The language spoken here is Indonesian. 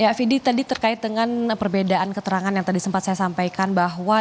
ya fidi tadi terkait dengan perbedaan keterangan yang tadi sempat saya sampaikan bahwa